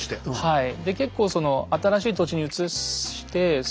はい。